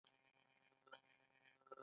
د سی ټي سکین داخلي ارګانونه ښيي.